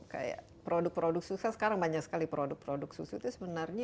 kayak produk produk susu sekarang banyak sekali produk produk susu itu sebenarnya